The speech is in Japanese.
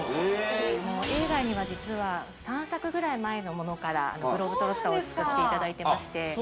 映画には実は３作ぐらい前のものからグローブ・トロッターを使っていただいてまして。